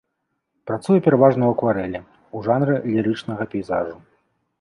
Працуе пераважна ў акварэлі, у жанры лірычнага пейзажу.